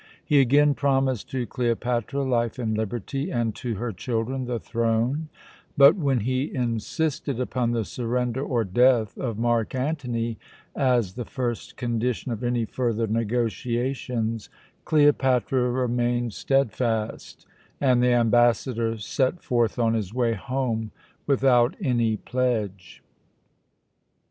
He again promised to Cleopatra life and liberty, and to her children the throne; but when he insisted upon the surrender or death of Mark Antony as the first condition of any further negotiations, Cleopatra remained steadfast, and the ambassador set forth on his way home without any pledge.